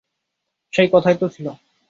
সেই কথাই তো ছিল।